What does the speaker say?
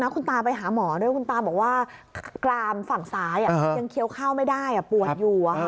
คุณตาไปหาหมอด้วยคุณตาบอกว่ากรามฝั่งซ้ายยังเคี้ยวข้าวไม่ได้ปวดอยู่